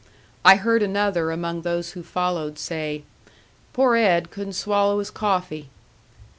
I heard another among those who followed say, "Poor Ed couldn't swallow his coffee."